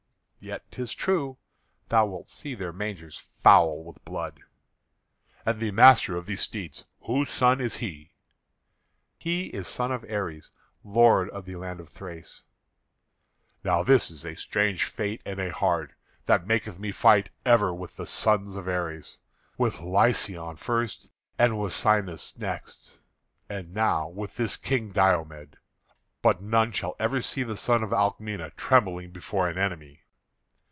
"Yet 'tis true. Thou wilt see their mangers foul with blood." "And the master of these steeds, whose son is he?" "He is son of Ares, lord of the land of Thrace." "Now this is a strange fate and a hard that maketh me fight ever with the sons of Ares, with Lycaon first, and with Cycnus next, and now with this King Diomed. But none shall ever see the son of Alcmena trembling before an enemy."